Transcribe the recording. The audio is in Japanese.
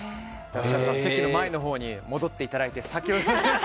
設楽さん、席の前のほうに戻っていただいて。